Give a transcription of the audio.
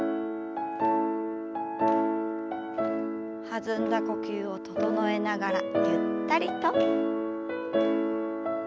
弾んだ呼吸を整えながらゆったりと。